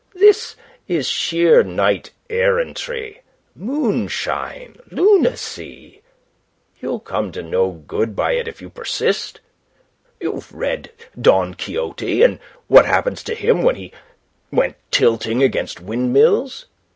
"This is sheer knight errantry moonshine, lunacy. You'll come to no good by it if you persist. You've read 'Don Quixote,' and what happened to him when he went tilting against windmills.